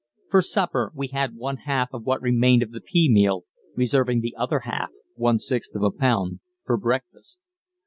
For supper we had one half of what remained of the pea meal, reserving the other half (one sixth of a pound) for breakfast.